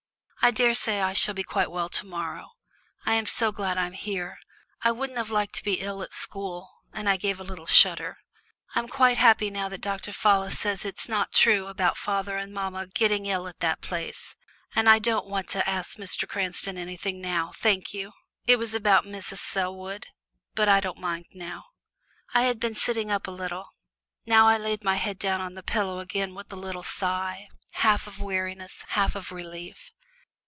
"I daresay I shall be quite well to morrow. I am so glad I'm here I wouldn't have liked to be ill at school," and I gave a little shudder. "I'm quite happy now that Dr. Fallis says it's not true about father and mamma getting ill at that place, and I don't want to ask Mr. Cranston anything now, thank you. It was about Mrs. Selwood, but I don't mind now." I had been sitting up a little now I laid my head down on the pillows again with a little sigh, half of weariness, half of relief.